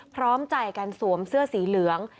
พร้อมใจกันสวมเสื้อสีเหลือง